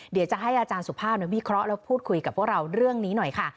เดี๋ยวจะให้อาจารย์สุภาพวิเคราะห์แล้วพูดคุยกับพวกเราเรื่องนี้หน่อยค่ะ